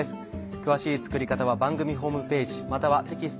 詳しい作り方は番組ホームページまたはテキスト